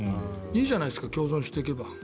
いいじゃないですか共存していけば。